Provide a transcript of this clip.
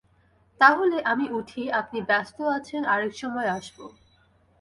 তা হলে আমি উঠি, আপনি ব্যস্ত আছেন, আর-এক সময় আসব।